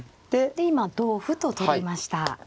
で今同歩と取りました。